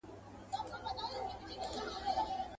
شپې به سوځي په پانوس کي په محفل کي به سبا سي.